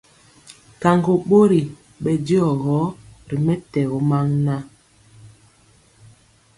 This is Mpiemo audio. Kaŋgo bori bɛ diɔgɔ ri mɛtɛgɔ maa nan.